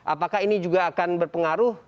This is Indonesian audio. apakah ini juga akan berpengaruh